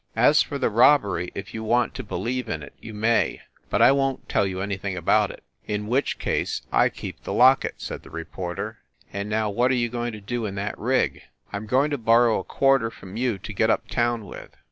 As for the robbery, if you want to believe in it you may, but I won t tell you anything about it." "In which case I keep the locket," said the re porter. "And now what are you going to do in that rig?" "I m going to borrow a quarter from you to get up town with."